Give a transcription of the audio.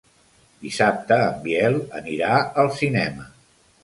Dissabte en Biel anirà al cinema.